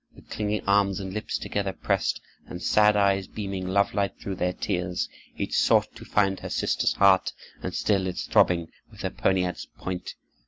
With clinging arms and lips together pressed, and sad eyes beaming love light through their tears, each sought to find her sister's heart and still its throbbing with her poniard's point.